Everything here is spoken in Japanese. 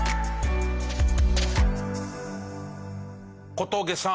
小峠さん。